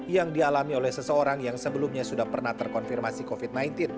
yang dialami oleh seseorang yang sebelumnya sudah pernah terkonfirmasi covid sembilan belas